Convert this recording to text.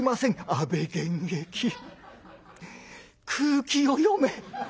「阿部玄益空気を読め。